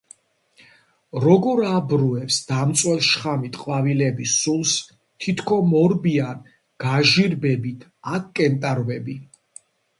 როგორ აბრუებს დამწველ შხამით ყვავილების სულს? თითქო მორბიან გიჟირბენით აქ კენტავრები